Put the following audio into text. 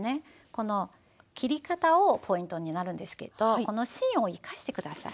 この切り方をポイントになるんですけどこの芯を生かして下さい。